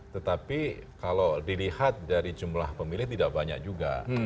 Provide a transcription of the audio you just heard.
tetapi kalau dilihat dari jumlah pemilih tidak banyak juga